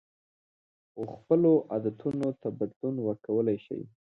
خو خپلو عادتونو ته بدلون ورکولی شئ.